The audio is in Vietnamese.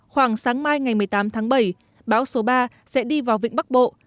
khoảng sáng mai ngày một mươi tám tháng bảy bão số ba sẽ đi vào vịnh bắc bộ